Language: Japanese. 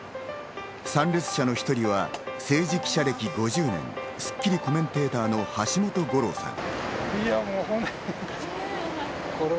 参列者の１人は政治記者歴５０年、『スッキリ』コメンテーターの橋本五郎さん。